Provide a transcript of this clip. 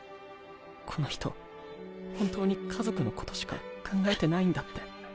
この人本当に家族のことしか考えてないんだって。